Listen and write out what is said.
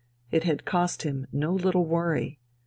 It had cost him no little worry.